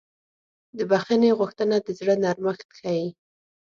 د بښنې غوښتنه د زړه نرمښت ښیي.